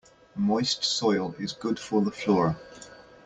Moist soil is good for the flora.